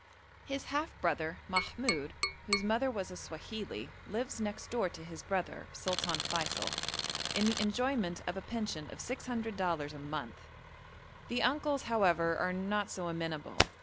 His half brother, Mahmoud, whose mother was a Swahili, lives next door to his brother, Sultan Feysul, in the enjoyment of a pension of 600 dollars a mouth. The uncles, however, are not so amenable.